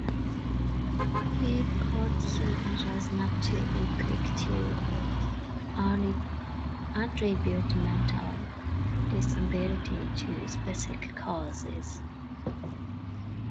He cautioned others not to be quick to attribute mental disabilities to specific causes.